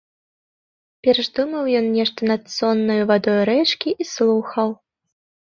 Перш думаў ён нешта над соннаю вадою рэчкі і слухаў.